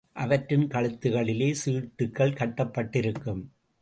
அவற்றின் கழுத்துக்களிலே சீட்டுக்கள் கட்டப்பட்டிருக்கும்.